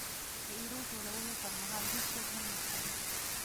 د ایرو ټولولو پرمهال هېڅوک هم نه ښکاري.